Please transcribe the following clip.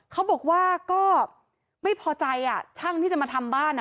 เขาบอกว่าก็ไม่พอใจอ่ะช่างที่จะมาทำบ้านอ่ะ